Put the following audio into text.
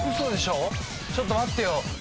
ちょっと待ってよ。